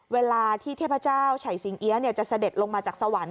เวลาที่เทพเจ้าไฉสิงเอี๊ยจะเสด็จลงมาจากสวรรค์